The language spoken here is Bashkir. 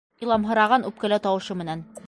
Иламһыраған үпкәләү тауышы менән: